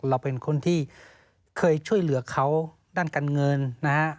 เราเป็นคนที่เคยช่วยเหลือเขาด้านการเงินนะฮะ